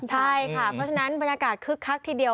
ใช่ค่ะเพราะฉะนั้นบรรยากาศคึกคักทีเดียว